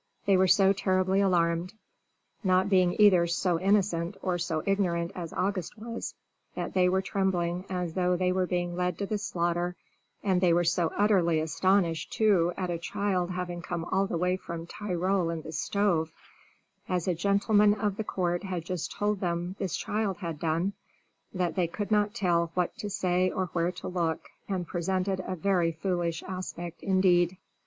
They were so terribly alarmed, not being either so innocent or so ignorant as August was that they were trembling as though they were being led to the slaughter, and they were so utterly astonished too at a child having come all the way from Tyrol in the stove, as a gentleman of the court had just told them this child had done, that they could not tell what to say or where to look, and presented a very foolish aspect indeed.